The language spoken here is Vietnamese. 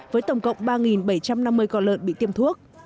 với tổng cộng ba bảy trăm năm mươi con lợn bị tiêm thuốc